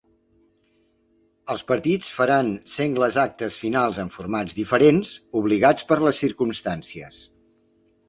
Els partits faran sengles actes finals en formats diferents, obligats per les circumstàncies.